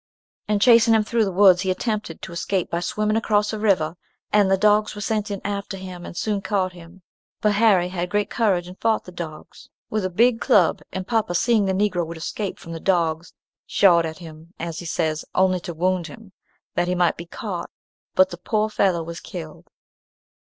"In chasing him through the woods, he attempted to escape by swimming across a river, and the dogs were sent in after him, and soon caught him. But Harry had great courage and fought the dogs with a big club; and papa seeing the Negro would escape from the dogs, shot at him, as he says, only to wound him, that he might be caught; but the poor fellow was killed."